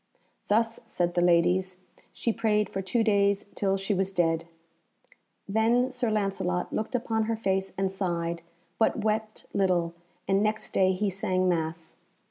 "Thus," said the ladies, "she prayed for two days till she was dead." Then Sir Lancelot looked upon her face and sighed, but wept little, and next day he sang Mass.